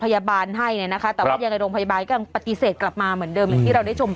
แต่ว่ายังไงโรงพยาบาลก็ต้องปฏิเสธกลับมาเหมือนเดิม